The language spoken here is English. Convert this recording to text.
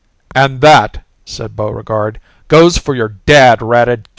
"And that," said Buregarde, "goes for your dad ratted cat!"